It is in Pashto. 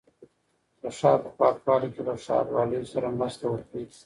د ښار په پاکوالي کې له ښاروالۍ سره مرسته وکړئ.